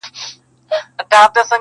د جهاني دغه غزل دي له نامه ښکلې ده!